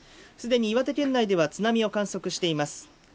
既に岩手県内では津波を観測しています。